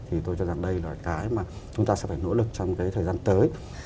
thì tôi cho rằng đây là cái mà chúng ta sẽ phải nỗ lực trong cái thời gian tới